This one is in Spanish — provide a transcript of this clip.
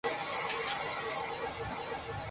Sin embargo las obras siguieron paralizadas.